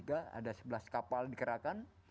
ada sebelas kapal dikerahkan